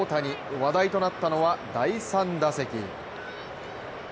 話題となったのは第３打席。